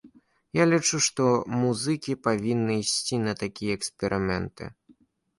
Я лічу, што музыкі павінны ісці на такія эксперыменты.